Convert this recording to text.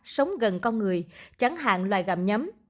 sống gần con người chẳng hạn loài gầm nhấm